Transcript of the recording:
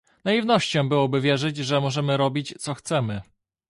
Naiwnością byłoby wierzyć, że możemy robić, co chcemy